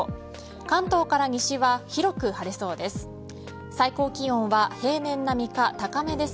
関東から西は広く晴れそうです。